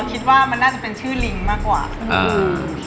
ดองกี้เราคิดว่ามันน่าจะเป็นชื่อลิงก์มากกว่า